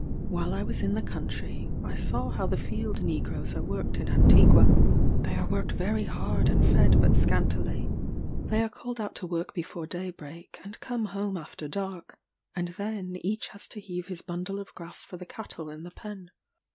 While I was in the country, I saw how the field negroes are worked in Antigua. They are worked very hard and fed but scantily. They are called out to work before daybreak, and come home after dark; and then each has to heave his bundle of grass for the cattle in the pen.